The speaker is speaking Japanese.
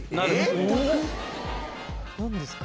何ですか？